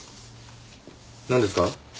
なんですか？